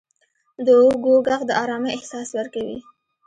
• د اوبو ږغ د آرامۍ احساس ورکوي.